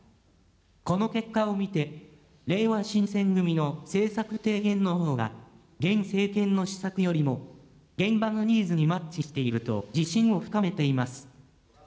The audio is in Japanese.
この結果を見て、れいわ新選組の政策提言のほうが、現政権の施策よりも現場のニーズにマッチしていると自信を深めています。